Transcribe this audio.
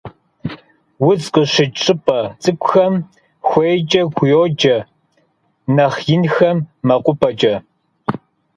Удз къыщыкӀ щӀыпӀэ цӀыкӀухэм хуейкӀэ йоджэ, нэхъ инхэм - мэкъупӀэкӀэ.